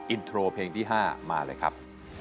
อินโทรเพลงที่๕มาเลยครับ